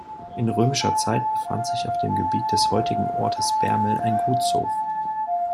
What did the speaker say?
In römischer Zeit befand sich auf dem Gebiet des heutigen Ortes Bermel ein Gutshof.